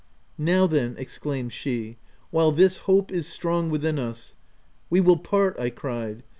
" Now, then," exclaimed she, " while this hope is strong within us —" "We will part," I cried.